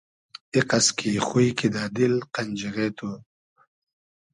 ایقئس کی خوی کیدۂ دیل قئنخیغې تو